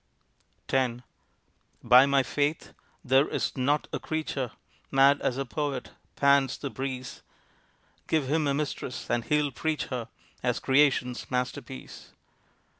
X By my faith, there is not a creature Mad as a poet, pants the breeze! Give him a mistress and he'll preach her As creation's Masterpiece.